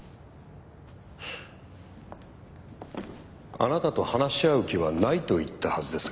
あなたと話し合う気はないと言ったはずですが。